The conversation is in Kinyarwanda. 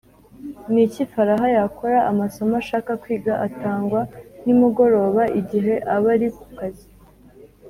Ni iki Faraha yakora amasomo ashaka kwiga atangwa nimugoroba igihe aba ari ku kazi